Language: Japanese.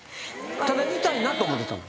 「ただ痛いな」と思ってたの？